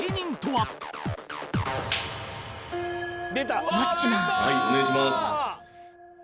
はいお願いします。